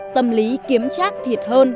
tâm lý kiếm chắc thiệt hơn